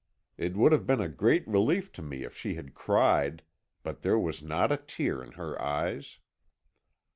It would have been a great relief to me if she had cried, but there was not a tear in her eyes.